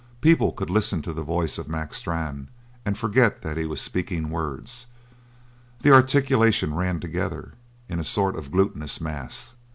People could listen to the voice of Mac Strann and forget that he was speaking words. The articulation ran together in a sort of glutinous mass.